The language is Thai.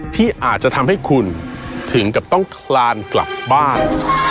ที่อาจจะทำให้คุณถึงกับต้องคลานกลับบ้าน